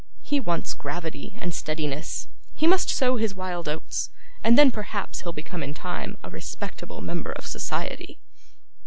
He wants gravity and steadiness; he must sow his wild oats, and then perhaps he'll become in time a respectable member of society.